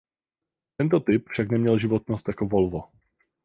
Tento typ však neměl životnost jako Volvo.